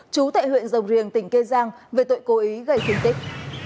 chú tại huyện rồng riềng tỉnh kê giang về tội cố ý gây thương tích